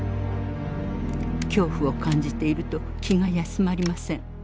恐怖を感じていると気が休まりません。